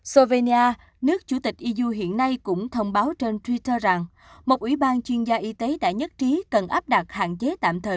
sovenia nước chủ tịch iuu hiện nay cũng thông báo trên twitter rằng một ủy ban chuyên gia y tế đã nhất trí cần áp đặt hạn chế tạm thời